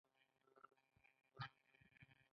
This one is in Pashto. کاري ځواک او تولیدي وسایل یوځای کېږي